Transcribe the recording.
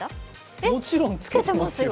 もちろんつけてますよ。